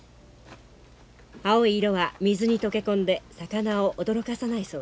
青い色は水に溶け込んで魚を驚かさないそうです。